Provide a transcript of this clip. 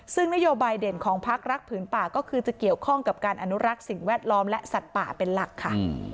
ซึ่งนโยบายเด่นของพักรักผืนป่าก็คือจะเกี่ยวข้องกับการอนุรักษ์สิ่งแวดล้อมและสัตว์ป่าเป็นหลักค่ะ